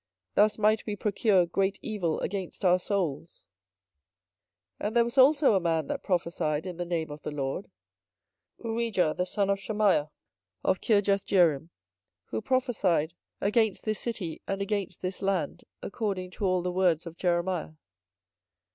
Thus might we procure great evil against our souls. 24:026:020 And there was also a man that prophesied in the name of the LORD, Urijah the son of Shemaiah of Kirjathjearim, who prophesied against this city and against this land according to all the words of Jeremiah.